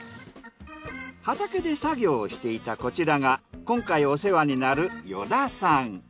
畑で作業をしていたこちらが今回お世話になる依田さん。